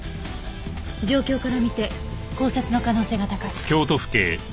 状況から見て絞殺の可能性が高い。